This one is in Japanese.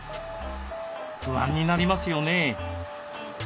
不安になりますよね。